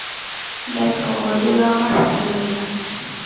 দেখো, ঐগুলো আমার ভালো লাগে না।